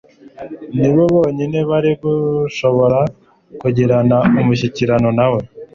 ni bo bonyine bari gushobora kugirana umushyikirano na we.